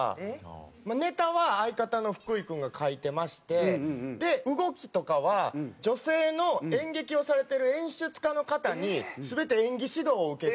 ネタは相方の福井君が書いてまして動きとかは女性の演劇をされてる演出家の方に全て演技指導を受けてまして。